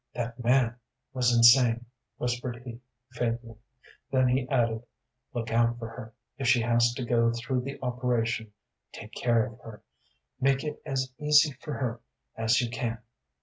"That man was insane," whispered he, faintly. Then he added, "Look out for her, if she has to go through the operation. Take care of her. Make it as easy for her as you can."